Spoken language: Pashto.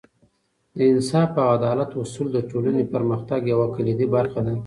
د انصاف او عدالت اصول د ټولنې پرمختګ یوه کلیدي برخه ده.